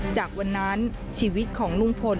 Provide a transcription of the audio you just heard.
จากวันนั้นชีวิตของลุงพล